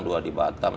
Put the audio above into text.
dua di batam